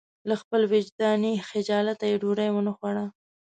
له خپل وجداني خجالته یې ډوډۍ ونه خوړه.